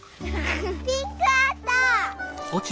ピンクあった！